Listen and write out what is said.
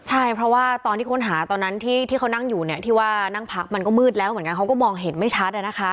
ใช่เพราะว่าตอนที่ค้นหาตอนนั้นที่เขานั่งอยู่เนี่ยที่ว่านั่งพักมันก็มืดแล้วเหมือนกันเขาก็มองเห็นไม่ชัด